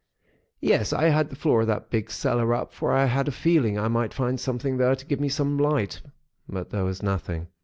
Yes, I had the floor of that big cellar up; for I had a feeling I might find something there to give me some light. But there was nothing.